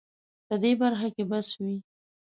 په دې برخه کې بس وي